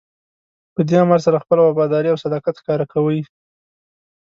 په دې امر سره خپله وفاداري او صداقت ښکاره کوئ.